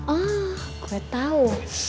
oh gue tau